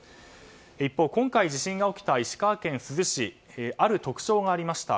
一方、今回地震が起きた石川県珠洲市ある特徴がありました。